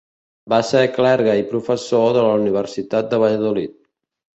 Va ser clergue i professor de la Universitat de Valladolid.